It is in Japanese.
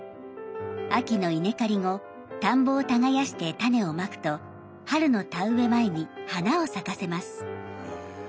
秋の稲刈り後田んぼを耕して種をまくと春の田植え前に花を咲かせます。